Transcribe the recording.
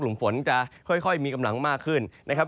กลุ่มฝนจะค่อยมีกำลังมากขึ้นนะครับ